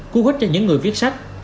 cu hút cho những người viết sách